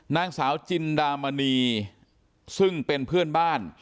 นางสาวจินดามณีซึ่งเป็นเพื่อนบ้าน